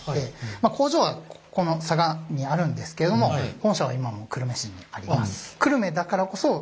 まあ工場はこの佐賀にあるんですけれども本社は今も久留米市にあります。